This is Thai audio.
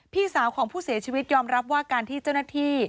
พี่สาวของผู้เสียชีวิตยอมรับว่าการที่เจ้าหน้าที่